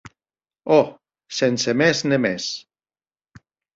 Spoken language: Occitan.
Òc, sense mès ne mès.